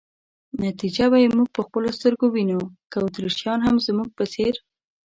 نتیجه به یې موږ په خپلو سترګو وینو، که اتریشیان هم زموږ په څېر.